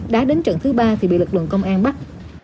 đã đến trận thứ ba thì bị lực lượng công an bắt